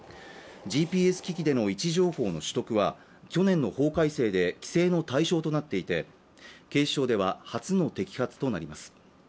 ＧＰＳ機器での位置情報の取得は去年の法改正で規制の対象となっていて警視庁では初の摘発となります